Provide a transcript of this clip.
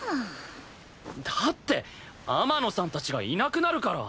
だって天野さんたちがいなくなるから！